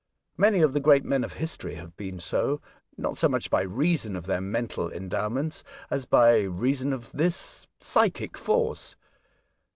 Many of the great men of history have been so, not so much by reason of their mental en dowments, as by reason of this psychic force.